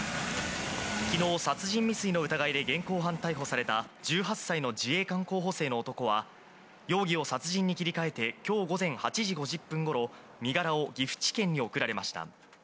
昨日殺人未遂の疑いで現行犯逮捕された１８歳の自衛官候補生の男は容疑を殺人に切り替えて今日午前８時５０分ごろ、身柄を岐阜県に送られました。